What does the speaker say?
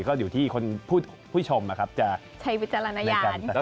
ก็อยู่ที่คนผู้ชมนะครับจะใช้วิจารณญาณ